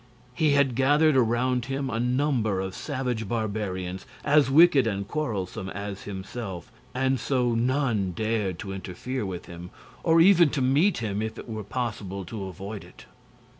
He had gathered around him a number of savage barbarians, as wicked and quarrelsome as himself, and so none dared to interfere with him, or even to meet him, if it were possible to avoid it.